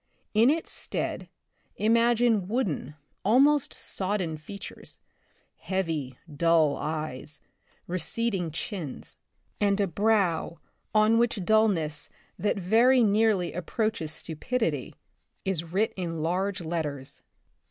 In its stead, imagine wooden, almost sodden features, heavy, dull eyes, receding chins, and a brow on which dullness that very nearly approaches stupidity is 6o Thf Republic of the Future, writ in large letters.